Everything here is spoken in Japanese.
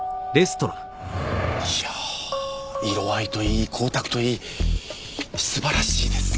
いや色合いといい光沢といい素晴らしいです！